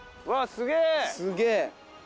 すげえ。